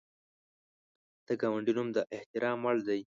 د ګاونډي نوم د احترام وړ دی